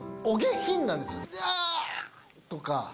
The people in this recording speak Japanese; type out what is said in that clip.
お下品なんですよあ！とか。